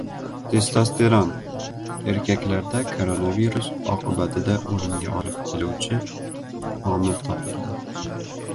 Testosteron - erkaklarda koronavirus oqibatida o‘limga olib keluvchi omil topildi